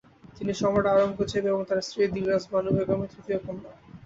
তিনি সম্রাট আওরঙ্গজেব এবং তার স্ত্রী দিলরাস বানু বেগমের তৃতীয় কন্যা।